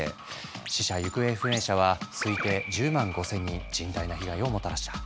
死者・行方不明者は推定１０万５，０００人甚大な被害をもたらした。